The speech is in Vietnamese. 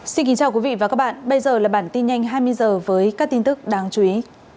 xin kính chào quý vị và các bạn bây giờ là bản tin nhanh hai mươi h với các tin tức đáng chú ý